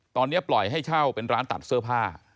ตอนนี้ปล่อยให้เช่าเป็นร้านตัดเสื้อผ้า